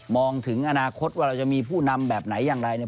ถึงอนาคตว่าเราจะมีผู้นำแบบไหนอย่างไรเนี่ย